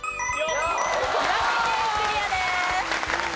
岩手県クリアです。